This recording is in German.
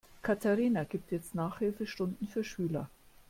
Katharina gibt jetzt Nachhilfestunden für Schüler.